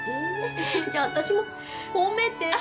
じゃあ私も褒めて